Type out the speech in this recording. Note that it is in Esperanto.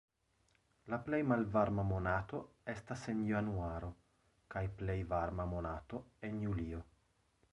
La plej malvarma monato estas en januaro kaj plej varma monato en julio.